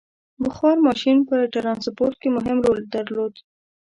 • بخار ماشین په ټرانسپورټ کې مهم رول درلود.